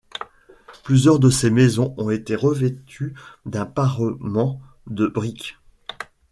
Plusieurs de ces maisons ont été revêtues d'un parement de briques.